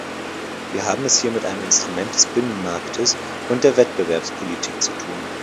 Wir haben es hier mit einem Instrument des Binnenmarktes und der Wettbewerbspolitik zu tun.